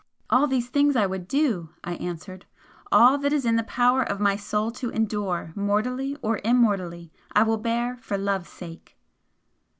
"All these things I would do!" I answered "All that is in the power of my soul to endure mortally or immortally, I will bear for Love's sake!"